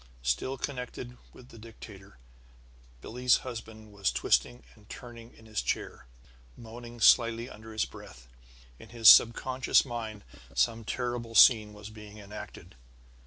Still connected with the dictator, Billie's husband was twisting and turning in his chair, moaning slightly under his breath. In his subconscious mind some terrible scene was being enacted.